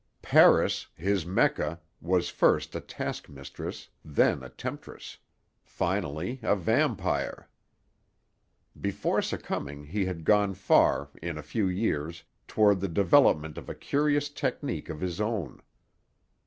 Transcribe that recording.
Paris, his Mecca, was first a task mistress, then a temptress, finally a vampire. Before succumbing he had gone far, in a few years, toward the development of a curious technique of his own.